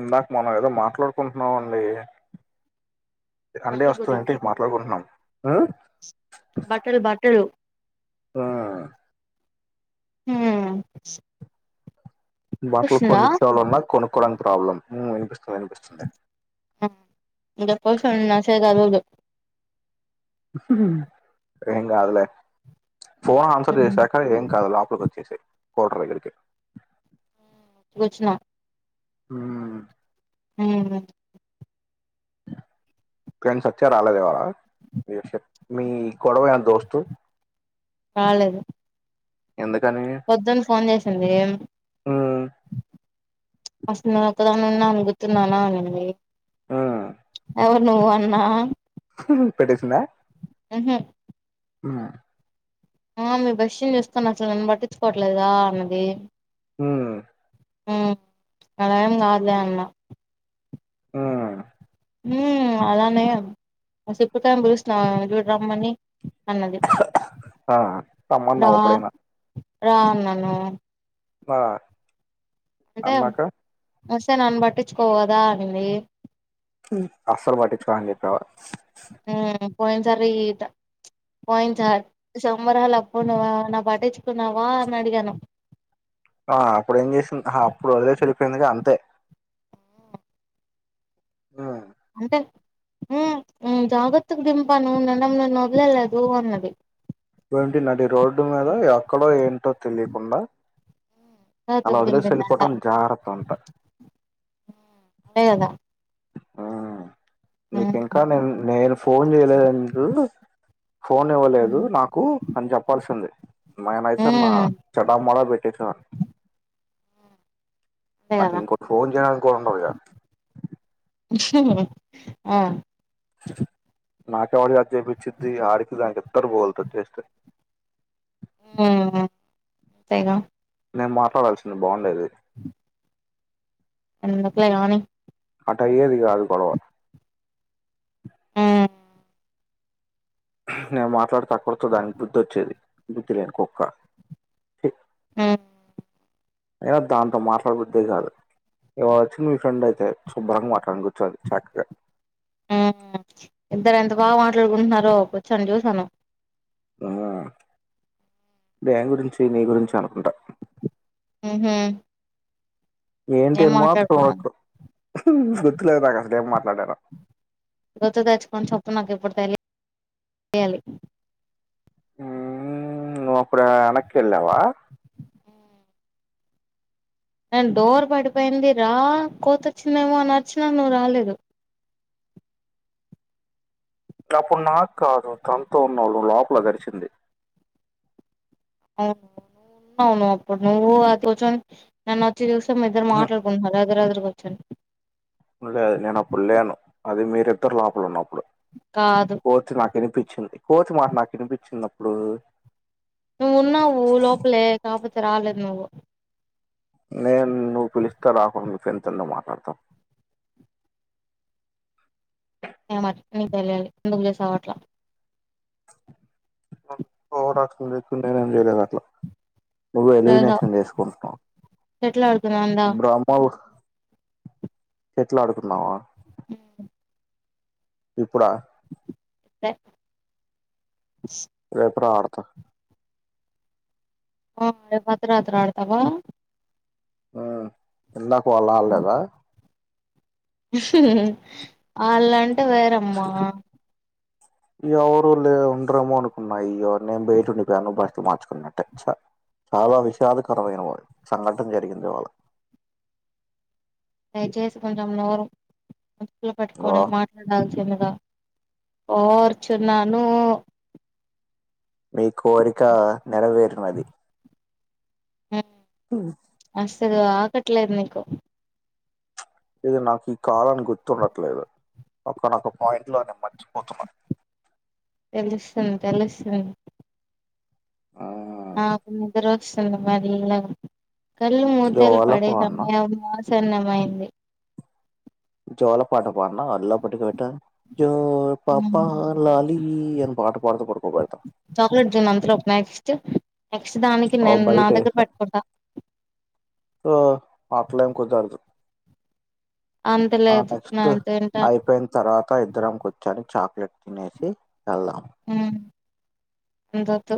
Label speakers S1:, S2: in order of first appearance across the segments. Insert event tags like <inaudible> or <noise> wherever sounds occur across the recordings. S1: ఇందాక మనం ఏదో మాట్లాడుకుంటున్నామండి అండే
S2: బట్టల గురించి
S1: వస్తుందింటే మట్లాకుంటున్నాం ఆ
S2: బట్టలు బట్టలు
S1: ఆ
S2: మ్
S1: బట్టలు కొనిచ్చేవాళ్ళున్నా కొనుక్కవడానికి ప్రాబ్లం మ్ అనిపిస్త్ నూపిస్తుందా
S2: <unintelligible> <unintelligible>
S1: ఎం గాదులే ఫోన్ ఆన్సర్ చేసాక ఏం కాదు లోపలికి వచ్చేసేయి కోర్టర్ దగ్గరికి ఏళ్ళు
S2: వచ్చిన
S1: హుమ్
S2: ఉమ్
S1: కెంస్ అక్చ రాలేదెవలా మీ కొడవయ దోస్తు ఎందుకని
S2: పొద్దుని ఫోన్ చేసింది
S1: ఉమ్
S2: అసలు ఒకదానిన్న అణగుతున్నానా అంది అవు నువు అన్నా
S1: పెట్టేసింద
S2: ఉహు
S1: ఆ
S2: ఆ మీ బస్ని చూస్తాను అసలు నన్ను పట్టించుకోవట్లేదుగా అన్నది
S1: హ
S2: అలాం కాదు లే అన్న
S1: ఆ
S2: అలానే సిప్పుతం పిరుస్తుిన చూడ రమ్మని అన్నది
S1: ఆ సమ్మన్నా అప్పుడేనా
S2: రాను
S1: ఆ అన్నాక
S2: వస్తే నన్ను పట్టించుకోవగద అనింది
S1: అసర్ పట్టించుకోను అని చెప్పావా
S2: పోయినాసారి ఈ పోయినాసారి సంబరాాలు అప్పున్నావా నా పట్టించుకున్నావా అని అడిగాను
S1: ఆ అప్పుడు ఏం చేసింది అప్పుడు అదే చలి ఎందుకు అంతే ఆ
S2: అంటే ఉ జాగ్రత్తగ దింపాను మేడం నేను వదిలేయ లేదు అన్నది
S1: ఏంటి నడి రోడ్డు మీద ఎక్కడో ఏంటో తెలియకుండా అలా
S2: జాగ్రత్తకు
S1: వదిలేసి
S2: దింపిందంట
S1: వెళ్ళిపోవటం జాగ్రత్త అంట
S2: అదే కదా
S1: ఆ నీకు
S2: ఉమ్
S1: ఇంకా నేను నేను ఫోన్ చేయలేదు నీకు ఫోన్ ఇవ్వలేదు
S2: ఉమ్
S1: నాకు అని చెప్పాల్సింది మన్యి సార్ నా చటామాడ బట్ ఎస <unintelligible>
S2: అంతే
S1: నాకు
S2: కదా
S1: ఇంకోక ఫోన్ చేయడానికి కూడ ఉండదుగ
S2: <unintelligible> ఆ
S1: నాకెవరి చేత జేపిచ్చిద్ధి ఆడికి దానికి ఇద్దరికి పగుల్తది చేస్తే
S2: అంతే గా
S1: నేను మాట్లాడాల్సింది బాగుం డేది
S2: ఎందుకు లే గాని
S1: అట్ట అయ్యేది కాదు గొడవ
S2: ఉమ్
S1: నేను మాట్లాడితే కొడత దానికి బుద్ధి వచ్చేది బుద్ధి లేని కుక్క
S2: ఆ
S1: అయినా దాంతో మాట్లాడబుద్దే కాదు ఇవాళ వచ్చిన మీ ఫ్రెండ్ అయితే శుభ్రంగా మాట్లాడాను కూర్చొని చక్కగా
S2: ఉ ఇద్దరు ఎంత బాగా మాట్లాడుకుంటున్నారో కూర్చోని చూసాను
S1: ఆ దేని గురించి నీ గురించి అనుకుంట
S2: ఉ హ్
S1: ఏంటి అని మాత్రం అడక్కు హ్ హ్ గుర్తులేదు నాకు అసలేం మాట్లాడానో
S2: గుర్తు తెచ్చుకొని చెప్పు నాకు ఇప్పుడు తెలియాలి
S1: ఊ నువ్వు అప్పుడు ఎనకెళ్ళావా
S2: నేను డోర్ పడిపోయింది రా కోతి వచ్చిందేమో అని అరిచినా నువ్వు రాలేదు
S1: అప్పుడు నాక్కాదు తనతో ఉన్నావ్ నువ్వు లోపల అది అరిచింది.
S2: అవును నువ్వు ఉన్నావ్ నువ్వు అప్పుడు నువ్వు అది కూచొని నేను వచ్చి చూస్తే మీ ఇద్దరు
S1: ఉహుం,
S2: మాట్లాడుకుంటున్నారు ఎదురు ఎదురుగా. చే <inaudible>
S1: లేదు నేను అప్పుడు లేను అది మీర్ ఇద్దరు లోపలున్నం అప్పుడు
S2: కాదు
S1: కోతి నాకు వినిపిచ్చింది. కోతి మాట నాకు వినిపిచ్చింది అప్పుడు
S2: నువ్వు ఉన్నావు లోపలే కాకపోతే. తే రాలేదునువ్వు.
S1: నేను నువ్వు పిలిస్తే రాకుండ ఫ్రెండ్ తో ఎందుకు మాట్లాడుతా.
S2: ఏమట్ <inaudible> నీకు తెలియాలి ఎందుకు చేసావ్ అట్లా.
S1: ఓవర్ యాక్షన్ చేస్తుంటే నేన్ చేయలేను అట్లా నువ్వు
S2: చేసావ్
S1: ఎలిమినేషన్ చేసుకుంటునావ్
S2: షెటిల్ ఆడుకుందాం దా
S1: బ్రహ్మవ్ షటిల్ ఆడుకుందామా.
S2: ఉమ్
S1: ఇప్పుడా.
S2: <inaudible>
S1: రేపు రా ఆడతా.
S2: ఆ అర్ధరాత్రి ఆడతావా.
S1: ఆ ఇందాక వాల్ అల్ లేదా
S2: హ్ హ్ హ్ అల వేరమ్మ
S1: ఎవరు లే ఉండరేమో అనుకున్నా. నేను బయటుండిపోయాను బట్టలు మార్చుకున్నట్టే చ చాలా విషాదకరమైన వా సంఘటన జరిగింది ఈ వాళ.
S2: దయచేసి కొంచెం నోరు. <unintelligible>
S1: ఓ
S2: పట్టుకొని మాట్లాడాల్సింది ఓర్ చున్నానూ
S1: మీ కోరికా నెరవేరినది. తాహ్
S2: ఇదిగో ఆగట్లేదు నీకు.
S1: ఇది నాకు ఈ కాలాం గుర్తుండట్లేదు. ఒకానొక పాయింట్ లోనే మర్చిపోతున్నా.
S2: తెలుస్తుంది తెలుస్తుంది.
S1: ఆ
S2: ఆ ముగ్గరు వస్తున్లు మెల్లగ. కళ్ళు మూతల్
S1: జోల
S2: పడే
S1: పోన్న
S2: సమయానా. సన్నమైంది.
S1: జోలపాట పాడ్నా మల్లప్పటికి పెట్టా. జో పాపా లాలీ అన్ పాట పాడుతు పడుకోబెడతా.
S2: చ నెక్స్ట్ దానికి
S1: ఓ
S2: నేన్ నా దగ్గర పెట్టుకుంటా.
S1: పూ అట్లేం కుదరదు.
S2: అంత
S1: ఆ
S2: లేదు
S1: నెక్స్ట్
S2: నేను తింటా
S1: అయిపోయిన తర్వాత ఇద్దరం కూర్చొని చాక్లెట్ తినేసి. వెళ్దాం
S2: హ్మ ఇంకొద్దు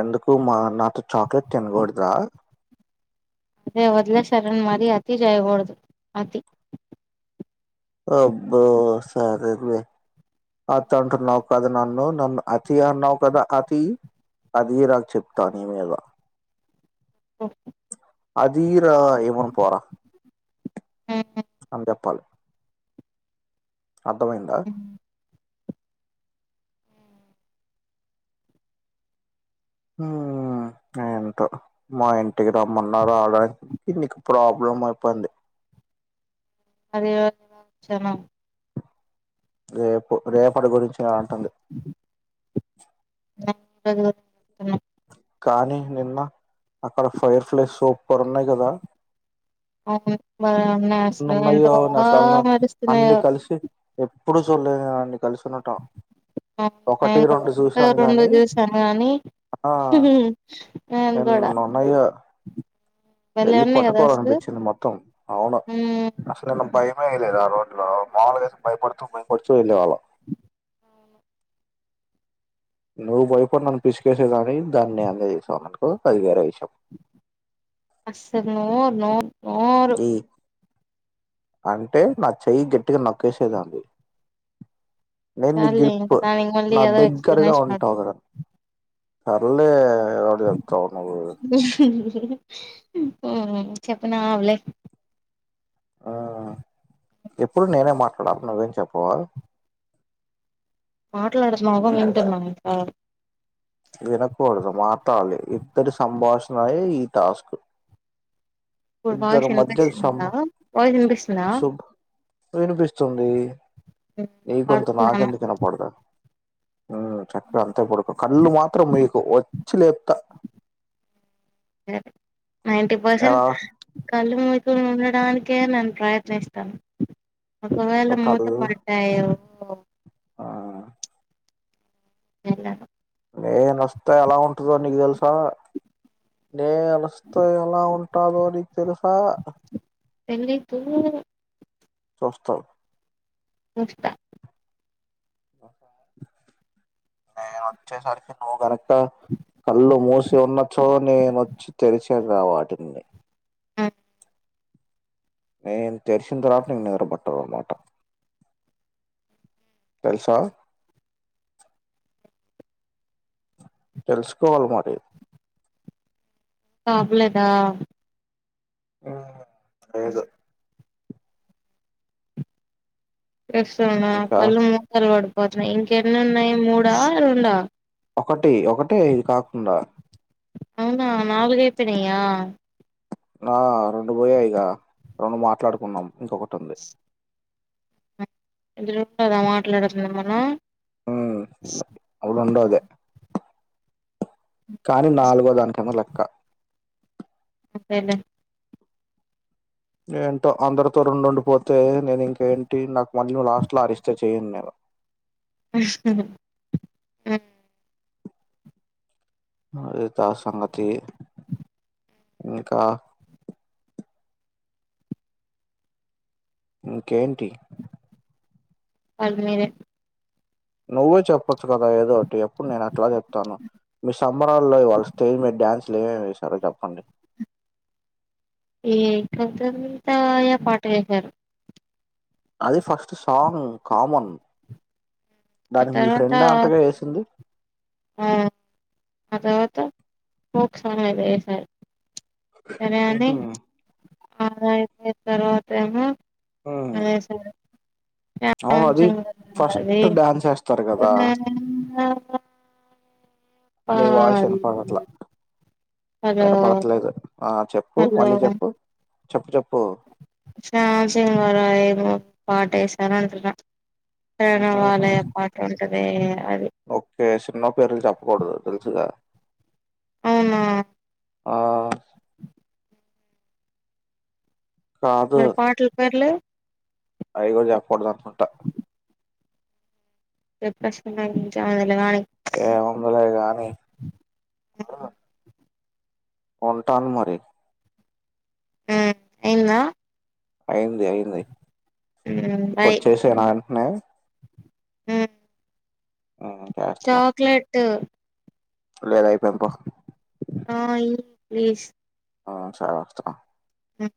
S1: ఎందుకు మా నాతో చాక్లెట్ తినకూడదా.
S2: అదే వదిలేశార్రన్ మరీ అతి చేయకూడదు. అతి
S1: అబ్బో సరేలే. అతి అంటున్నావు కదా నన్ను. నన్ను అతీ అన్నావు కదా అతీ. అదీరాకు చెప్తా నీ మీద. అదీ ఆ ఇవ్వను పోరా. అని చెప్పాలి. అర్ధమైందా ఏంటో మా ఇంటికి రమ్మన్నా రావడానికి నీకు ప్రాబ్లం అయిపోయింది
S2: మరివచ్చనం
S1: రేపు రేపటి గురించి నేను అంటుంది కానీ నిన్న అక్కడ ఫైర్ ఫ్లై సూపర్ ఉన్నాయి కదా
S2: అవును బ న అసలు ఎంత
S1: ఎన్నున్నాయో
S2: బా
S1: అసలు అన్ని
S2: మరుస్తున్నాయో <inaudible>
S1: కలిసి ఎప్పుడు చూడలేదు కదా అండి.
S2: నేను
S1: రెండు
S2: కూడా
S1: చూసాను
S2: రెండు
S1: గాని
S2: చూసాను కానీ.
S1: ఆ
S2: నేను కూడా
S1: ఎన్నున్నాయో
S2: భలే
S1: వెళ్ళి
S2: ఉన్నాయి కదా అసలు
S1: పట్టుకోవాలనిపించింది మొత్తం. అవును
S2: మ్మ్
S1: అసలే నాక్ భయం. ఆ ఎయలేదు రా రోడ్లో మాములుగయితే భయపడుతూ భయపడుతూ వెళ్ళే వాళ్ళం. నువ్వు బయపడి నన్ను పిసికేసేదాని దాన్ని అందజేసామనుకో అధికార విషాం
S2: అస్సలు నోరు నోరు
S1: అ అంటే నా చెయ్యి గట్టిగా నొక్కేసేదానివి నేను నీ
S2: చాల్లే ఇంక
S1: గ్రిప్
S2: దానికి మళ్ళీ
S1: నా
S2: ఏదో
S1: దగ్గరగా
S2: ఎక్స్ప్లనేషన్
S1: ఉంటావు
S2: ఒకటి
S1: కదా సరలే ఏదోడు చెప్తావ నువ్వు
S2: చెప్పనా అలే
S1: ఆ ఎప్పుడు నేనే మాట్లాడాలి నువ్వేం చెప్పవా
S2: మాట్లాడతనవ్ గా వింటున
S1: వినకూడదు మాట్లాడాలి ఇద్దరి సంభాషణయ ఈ టాస్క్
S2: ఇప్పుడు
S1: ఇద్దరి
S2: వాయిస్
S1: మధ్య సం
S2: ఎనిపిస్తుందా వాయిస్ ఎనిపిస్తుందా
S1: శుభ్ వినిపిస్తుంది నీ గొంతు
S2: పడుకున్నాను
S1: నాకెందుకు వినపడదా చక్కగా అంతా పడుకు కళ్ళు మాత్రం ముయ్యకు వచ్చి లేపుతా
S2: అ నైన్టి
S1: ఎలా
S2: పర్సెంట్ కళ్ళు ము ఉండడానికే నేను ప్రయత్నిస్తాను ఒకవేళ
S1: నువ్వు
S2: మూత
S1: కళ్ళు
S2: పడ్డాయ ఆ
S1: ఆ
S2: ఇ
S1: నేను వస్తా ఎలా ఉంటుందో నీకు తెలుసా నే వేస్తే ఎలా ఉంటాదో నీకు తెలుస స
S2: తేలీదు
S1: చూస్తావు
S2: ఇస్తా
S1: బసా నేను వచ్చేసరికి నువ్వు కనుక కళ్ళు మూసి ఉన్న చో నేనొచ్చి తెరిచింది రా వాటిని
S2: ఆ
S1: నేను తెలిసిన తర్వాత నీను నిద్ర పట్టదు అన్నమాట తెలుసా తెలుసుకొవాలి మరి
S2: కాబ్లెదా
S1: ఉమ్ లేదు
S2: లేస్తున్నా
S1: ఇంకా
S2: కళ్ళు మూసుకొన్ పడు పోతునాయి ఇంక ఎన్ని ఉన్నాయి మూడా రెండా
S1: ఒకటి ఒకటే కాకుండ
S2: తివిినయా
S1: ఆ రెండు పోయాయిక రెండు మాట్లాడుకున్నాం ఇంకొకటి ఉంది
S2: ఎదురుక్కదా మాట్లాడుతున్నాం మనం
S1: అ అప్పుడు ఉండాదే కాని నాలుగో దానికేమో లెక్క
S2: అంతేలే
S1: ఏంటో అందరితో రెండుండిపోతే నేను ఇంకేంటి నాకు మళ్ళీ లాస్ట్లా అరిస్తే చేయి నేను
S2: ఉహ్ హ్
S1: అదిత సంగతి ఇంకా ఇంకేంటి
S2: అద్ మీరె
S1: నువ్వే చెప్పచ్చు కదా ఏదో ఒకటి అప్పుడు నేను అట్లా చెప్తాను మీ సంబరాల్లో ఇవాళ స్టేజ్ మీద డ్యాన్సులు ఎవేమి చేశారో చెప్పండి
S2: ఏ కొంతం తాయ పాట వేశారు
S1: అది ఫస్ట్ సాంగ్ కామన్
S2: ఆ
S1: దానికి మీ
S2: తర్వాత
S1: ఫ్రెండ్ అంటెగా వేసింది
S2: ఆ ఆ తర్వత ఫోక్ సాంగ్ ఎదో వేసారు
S1: ఉహు
S2: అల అయితే తర్వాత ఏమో అదే సిండు
S1: అవును అది
S2: రాంజం కాకుండా అవె
S1: ఫస్ట్ డాన్స్ వేస్తారు కదా
S2: <unintelligible>
S1: నీ వాయిస్ వినపడట్ల
S2: హలో
S1: వినపడట్లేదు ఆ చెప్పు మళ్ళీ చెప్పు చెప్పు చెప్
S2: శాసింగ్ గద ఏదోకటి పాటే తానాంతటిగ ప్రనా వలయ పాట అదే అ
S1: ఓకే సినిమా పేర్లు చెప్పకూడదు తెలుసుగా
S2: అవునా
S1: ఆ కాదు
S2: మరి పాటల పేర్లు
S1: అవి గుడ చెప్పకూడదు అనుకుంటా
S2: రేప్ ప్రశ్న కాడ్నుంచి ఆడదమానే
S1: ఏముందిలే గానీ ఉంటన్ మరి
S2: హుమ్ ఐందా
S1: అయిన్ ది అయింది
S2: ఉమ్
S1: ఇప్పుడు చేసే న న్య
S2: ఉ
S1: ఉమ్ చేస్తున్న
S2: ట్
S1: లేదు అయిపోయింది పో
S2: ఆ ఇవ్ ప్లీస్
S1: ఆ సరే వస్తన్న
S2: హుమ్